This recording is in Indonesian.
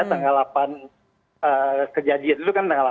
tanggal delapan kejadian itu kan tanggal delapan